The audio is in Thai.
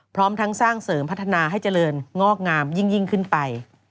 พร้อมทั้งสร้างเสริมพัฒนาให้เจริญงอกงามยิ่งขึ้นไป